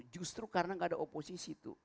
justru karena gak ada oposisi tuh